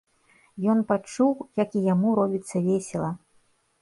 Ён пачуў, як і яму робіцца весела.